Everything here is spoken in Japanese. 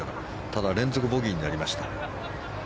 ただ、連続ボギーになりました。